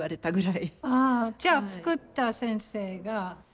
ああじゃあ作った先生が？